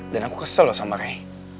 dan aku kesel loh sama ray